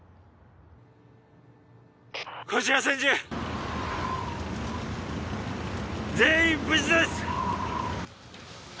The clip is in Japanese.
こちら千住全員無事です